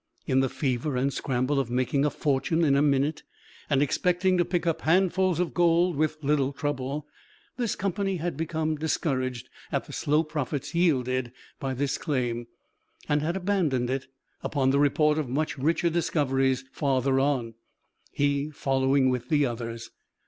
In the fever and scramble of making a fortune in a minute, and expecting to pick up handfuls of gold with little trouble, this company had become discouraged at the slow profits yielded by this claim, and had abandoned it upon the report of much richer discoveries farther on, he following with the others.